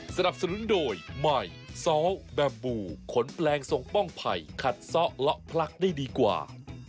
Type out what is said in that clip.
สนับสนุนโดยใหม่ซ้อแบบบูขนแปลงทรงป้องไผ่ขัดซ้อเลาะพลักได้ดีกว่า